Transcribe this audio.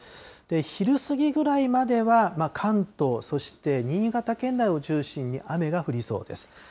昼過ぎぐらいまでは、関東そして新潟県内を中心に雨が降りそうです。